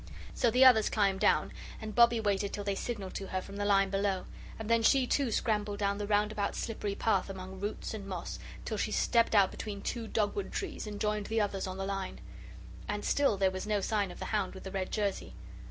So the others climbed down and Bobbie waited till they signalled to her from the line below. And then she, too, scrambled down the roundabout slippery path among roots and moss till she stepped out between two dogwood trees and joined the others on the line. And still there was no sign of the hound with the red jersey.